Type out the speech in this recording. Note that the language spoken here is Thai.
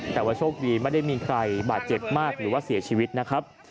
แต่ว่าโชคดีไม่ได้มีใครบาดเจ็บมากหรือว่าเสียชีวิตนะครับ